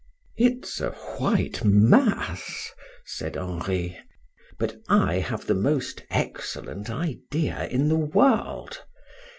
"It's a white Mass," said Henri; "but I have the most excellent idea in the world.